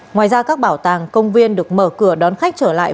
ngoài ra các bảo tàng công viên được mở cửa đón khách trở lại